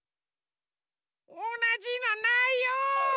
おなじのないよ！